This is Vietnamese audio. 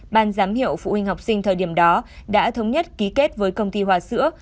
ban giám hiệu phụ huynh học sinh thời điểm đó đã thống nhất ký kết với công ty hòa sữa